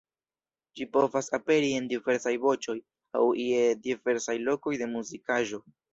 Ĝi povas aperi en diversaj voĉoj aŭ je diversaj lokoj de muzikaĵo.